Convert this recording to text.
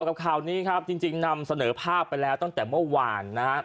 กับข่าวนี้ครับจริงนำเสนอภาพไปแล้วตั้งแต่เมื่อวานนะครับ